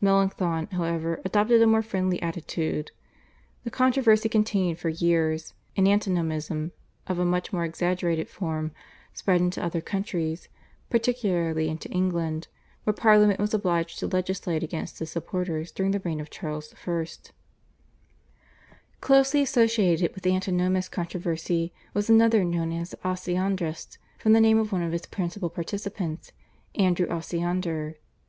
Melanchthon, however, adopted a more friendly attitude. The controversy continued for years, and /Antinomism/ of a much more exaggerated form spread into other countries, particularly into England, where Parliament was obliged to legislate against its supporters during the reign of Charles I. Closely associated with the Antinomist controversy was another known as the /Osiandrist/, from the name of one of its principal participants, Andrew Osiander.